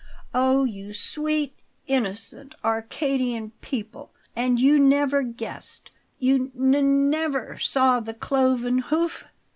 Oh, you, sweet, innocent, Arcadian people and you never guessed! You n never saw the cloven hoof?"